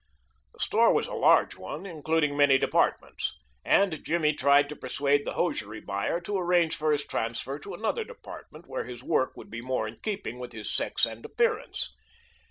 The store was a large one, including many departments, and Jimmy tried to persuade the hosiery buyer to arrange for his transfer to another department where his work would be more in keeping with his sex and appearance.